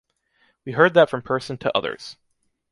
We heard that from person to others.